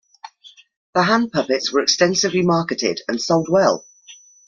The hand puppets were extensively marketed and sold well.